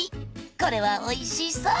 これはおいしそう！